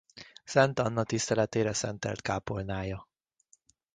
Szent Anna tiszteletére szentelt kápolnája.